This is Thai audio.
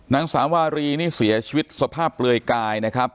นางสาวรีนี่เสียชีวิตสภาพเกยร์ไกรนะครับ